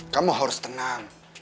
kamu harus tenang